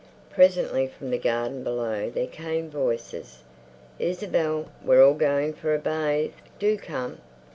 Presently from the garden below there came voices. "Isabel, we're all going for a bathe. Do come!"